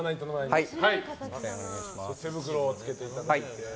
手袋をつけていただいて。